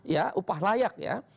ya upah layak ya